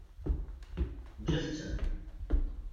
Ǧǧet-ten.